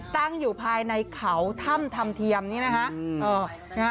ตั้งอยู่ภายในเขาถ้ำธรรมเทียมนี้นะคะ